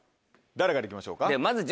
誰からいきましょうか？